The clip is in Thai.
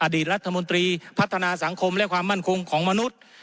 อดีตรัฐมนตรีพัฒนาสังคมและความมั่นคงของมนุษย์